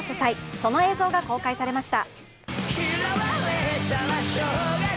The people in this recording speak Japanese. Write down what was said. その映像が公開されました。